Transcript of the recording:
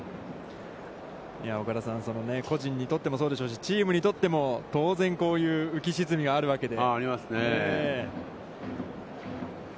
岡田さん、個人にとってもそうでしょうし、チームにとっても当然こういう浮き沈みがあるわけで。